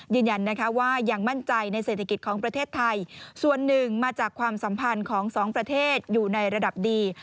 ยืนยันนะคะว่ายังมั่นใจในเศรษฐกิจของประเทศไทยส่วนหนึ่งมาจากความสัมพันธ์ของสองประเทศอยู่ในระดับดี